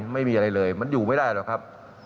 ไม่มีอะไรเลยมันอยู่ไม่ได้หรอกครับ